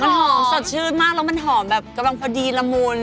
มันหอมสดชื่นมากแล้วมันหอมแบบกำลังพอดีละมุน